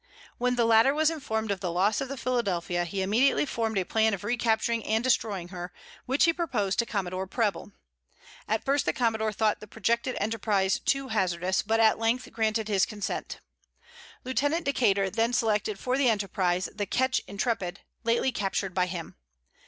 When the latter was informed of the loss of the Philadelphia, he immediately formed a plan of recapturing and destroying her, which he proposed to Commodore Preble. At first the commodore thought the projected enterprize too hazardous: but at length granted his consent. Lieutenant Decater then selected for the enterprise the ketch Intrepid, lately captured by him.